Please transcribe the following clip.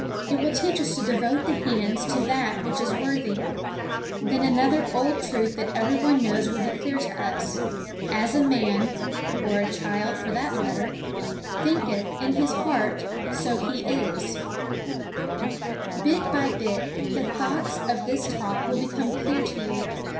It will teach us to devote the hands to that which is worthy. Then another old truth that every one knows will be clear to us: "As a man or a child, for that matter thinketh in his heart, so he is." Bit by bit the thoughts of this Talk will become clear to you.